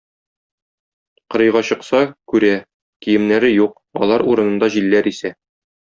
Кырыйга чыкса, күрә: киемнәре юк, алар урынында җилләр исә.